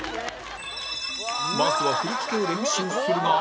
まずは振り付けを練習するが